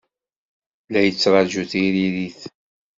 La yettṛaju tiririt.